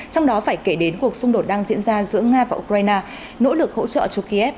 trong đó phải kể đến cuộc xung đột đang diễn ra giữa nga và ukraine nỗ lực hỗ trợ cho kiev